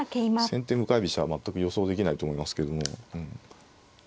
先手向かい飛車は全く予想できないと思いますけども。